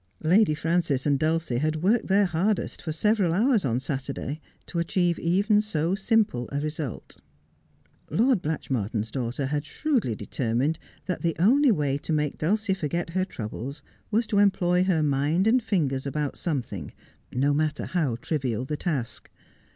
Lady Frances and Dulcie had worked their hardest for several hours on Saturday, to achieve even so simple a result. Lord Blatchmardean's daughter had shrewdly determined that the only way to make Dulcie forget her troubles was to employ her mind and fingers about something, no matter how trivial the task.